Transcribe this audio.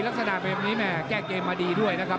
ลักษณะแบบนี้แม่แก้เกมมาดีด้วยนะครับ